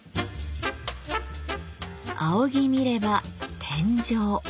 仰ぎ見れば天井。